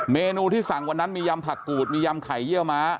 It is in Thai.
เมนูที่สั่งวันนั้นมียำผักกูดมียำไข่เยี่ยวม้า